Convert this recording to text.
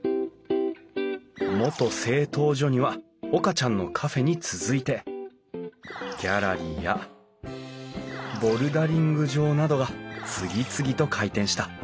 元製陶所には岡ちゃんのカフェに続いてギャラリーやボルダリング場などが次々と開店した。